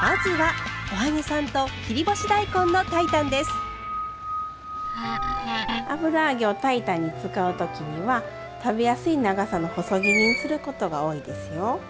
まずは油揚げを炊いたんに使う時には食べやすい長さの細切りにすることが多いですよ。